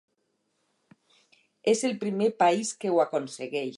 És el primer país que ho aconsegueix.